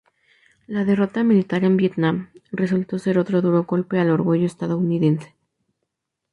La derrota militar en Vietnam resultó ser otro duro golpe al orgullo estadounidense.